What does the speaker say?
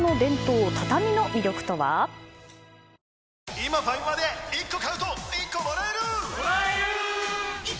今ファミマで１個買うと１個もらえるもらえるっ！！